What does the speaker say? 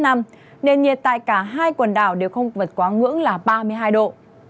nên nhiệt tại cả hai quần đảo đều không vật quá ngưỡng là ba mươi hai độ